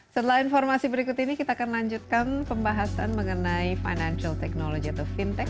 setelah informasi berikut ini kita akan lanjutkan pembahasan mengenai financial technology atau fintech